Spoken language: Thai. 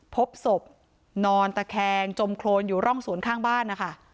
พบศพนอนตะแคงจมโครนอยู่ร่องสวนข้างบ้านนะคะ